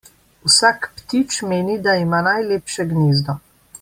Vsak ptič meni, da ima najlepše gnezdo.